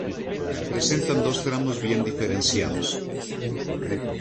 Presentan dos tramos bien diferenciados.